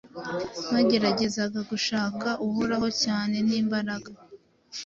Bageragezaga gushaka Uhoraho cyane nimbaraga.